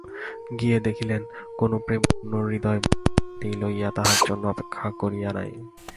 গিয়া দেখিলেন, কোনো প্রেমপূর্ণ হৃদয় বসত্রাদি লইয়া তাঁহার জন্য অপেক্ষা করিয়া নাই।